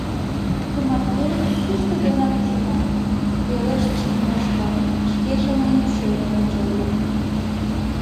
Тымарте кушто-гынат ужынам, — пелештыш Тимошка, шкеже мыйым шӧрын ончале.